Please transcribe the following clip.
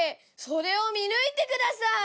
それを見抜いてください。